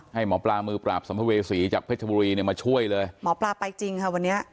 ให้หมอปลามือปราบสัมภเวษีจากเพชรบุรีเนี่ยมาช่วยเลยหมอปลาไปจริงค่ะวันนี้